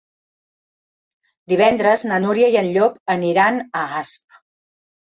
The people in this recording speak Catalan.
Divendres na Núria i en Llop aniran a Asp.